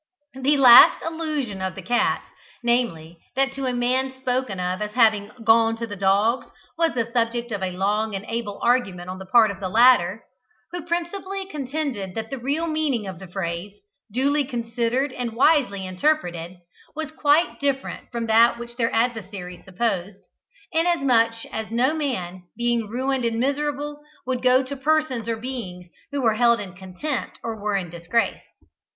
The last allusion of the cats, namely, that to a man spoken of as having "gone to the dogs," was the subject of a long and able argument on the part of the latter; who principally contended that the real meaning of the phrase, duly considered and wisely interpreted, was quite different from that which their adversaries supposed; inasmuch as no man, being ruined and miserable, would go to persons or beings who were held in contempt or were in disgrace.